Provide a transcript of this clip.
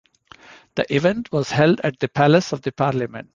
The event was held at the Palace of the Parliament.